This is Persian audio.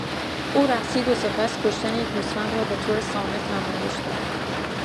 او رقصید و سپس کشتن یک گوسفند را به طور صامت نمایش داد.